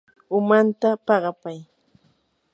umanta paqapay.